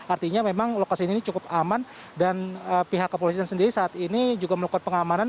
artinya memang lokasi ini cukup aman dan pihak kepolisian sendiri saat ini juga melakukan pengamanan